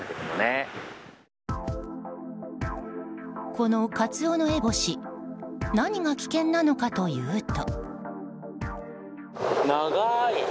このカツオノエボシ何が危険なのかというと。